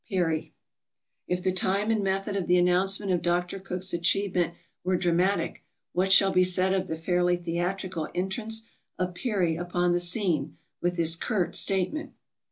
— Peary." If the time and method of the announcement of Dr. Cook's achievement were dramatic, what shall be said of the fairly theatrical entrance of Peary upon the scene, with this curt statement!